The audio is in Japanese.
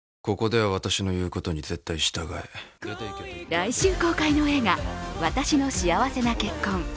来週公開の映画「わたしの幸せな結婚」。